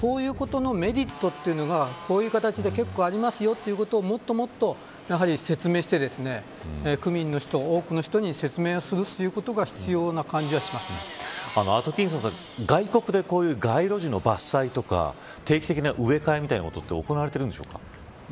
そういうことのメリットというのがこういう形でありますよということを、もっともっと説明をして区民の人、多くの人に説明するということがアトキンソンさん外国で、こういう街路樹の伐採とか定期的な植え替えみたいなことは行われているんでしょうか。